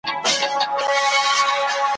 او د ښکار ورڅخه ورک سو ژوندی مړی ,